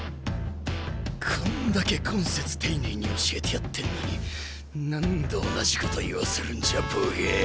こんだけコンセツテイネイに教えてやってんのに何度同じこと言わせるんじゃボケェ。